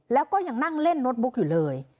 แล้วก็ยังนั่งเล่นโน้ตบุ๊กอยู่เลย